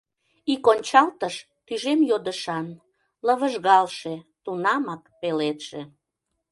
Ик ончалтыш — тӱжем йодышан, Лывыжгалше, тунамак пеледше.